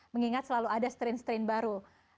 mengingat selalu ada strain strain baru